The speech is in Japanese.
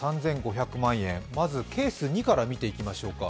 ３５００万円、まずケース２から見ていきましょうか。